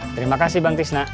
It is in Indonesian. terima kasih bang tisna